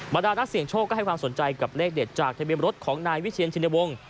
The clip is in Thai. ดานักเสี่ยงโชคก็ให้ความสนใจกับเลขเด็ดจากทะเบียนรถของนายวิเชียนชินวงศ์